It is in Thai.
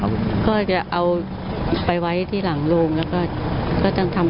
บอกว่าแม่มารับดวงวิญญาณลูกไปแล้วนะไปอยู่บ้าน